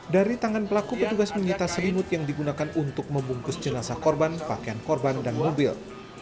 dari tangan pelaku petugas menyita selimut yang digunakan untuk membungkus jenazah korban pakaian korban dan mobil